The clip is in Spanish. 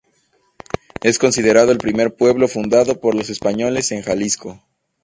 Es considerado el primer pueblo fundado por los españoles en Jalisco.